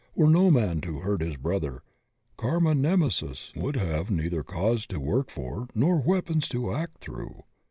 Were no man to hurt his brother, Karma Nemesis would have neither cause to work for nor weapons to act through